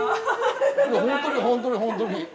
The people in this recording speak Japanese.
本当に本当に本当に。